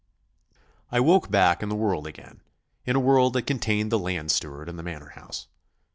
I woke back in the world again, in a world that contained the land steward and the manor house.